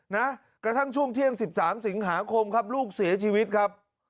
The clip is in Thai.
นะกระทั่งช่วงเที่ยงสิบสามสิงหาคมครับลูกเสียชีวิตครับ